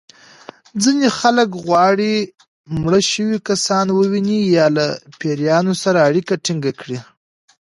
ځینې خلک غواړي مړه شوي کسان وویني یا له پېریانو سره اړیکه ټېنګه کړي.